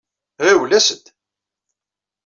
Ɣiwel, as-d!